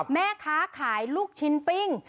แม่ค้าขายลูกชิ้นปิ้ง